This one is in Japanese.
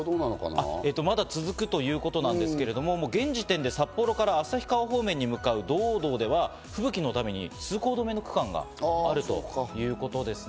まだ続くということなんですが、現時点で札幌から旭川方面に向かう道央道では通行止めの期間があるということですね。